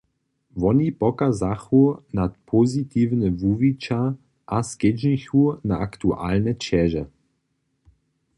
Woni pokazachu na pozitiwne wuwića a skedźbnichu na aktualne ćeže.